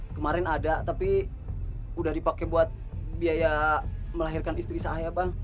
kemarin ada tapi udah dipakai buat biaya melahirkan istri saya bang